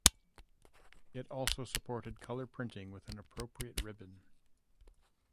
It also supported color printing with an appropriate ribbon.